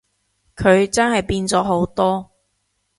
佢真係變咗好多